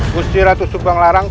gusti ratu subang larang